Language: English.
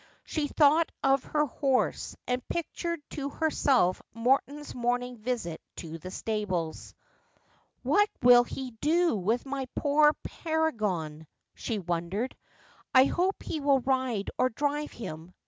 She thought of her horse, and pictured to herself Morton's morning visit to the stables. 'What will he do with my poor Paragon V she wondered. 'I hope he will ride or drive him.